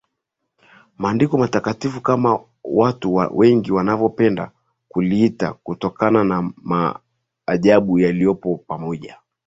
Maandiko Matakatifu kama watu wengi wanavyopenda kuliita kutokana na maajabu yaliyopo pamoja